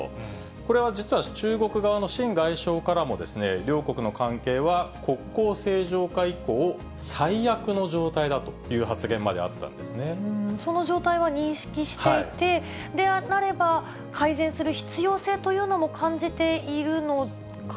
これは実は、中国側の秦外相からも、両国の関係は国交正常化以降、最悪の状態だという発言まであっその状態は認識していて、で、あれば、改善する必要性というのも感じているのかなと。